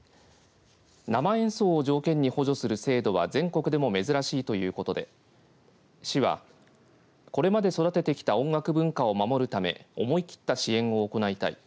生演奏を条件に補助する制度は全国でも珍しいということで市は、これまで育ててきた音楽文化を守るため思い切った支援を行いたい。